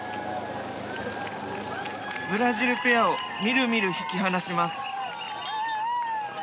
ブラジルペアをみるみる引き離します。